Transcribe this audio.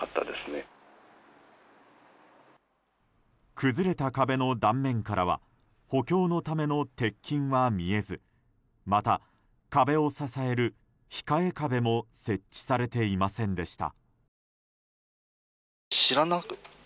崩れた壁の断面からは補強のための鉄筋は見えずまた、壁を支える控え壁も設置されていませんでした。